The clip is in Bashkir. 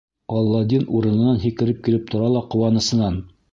Аладдин урынынан һикереп килеп тора ла ҡыуанысынан: